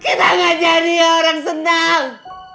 kita gak jadi orang senang